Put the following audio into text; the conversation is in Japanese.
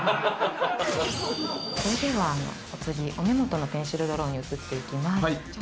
それではお次お目元のペンシルドローに移っていきます。